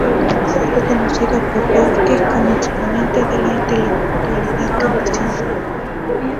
Fue reconocido por Gorki como exponente de la intelectualidad campesina.